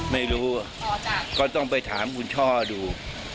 ไม่รู้ก็ต้องไปถามคุณช่อดู